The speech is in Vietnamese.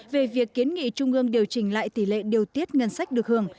về việc kiến nghị trung ương điều chỉnh lại tỷ lệ điều tiết ngân sách được hưởng